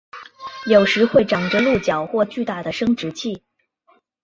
有时会长着鹿角或巨大的生殖器。